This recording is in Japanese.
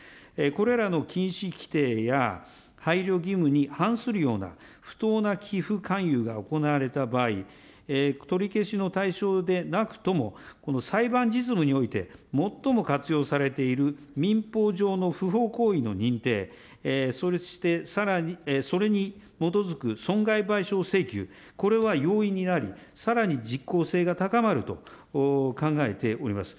これらの禁止規定や、配慮義務に反するような不当な寄付勧誘が行われた場合、取り消しの対象でなくとも、この裁判においてもっとも活用されている民法上の不法行為の認定、そうしてさらにそれに基づく損害賠償請求、これは容易になり、さらに実効性が高まると考えております。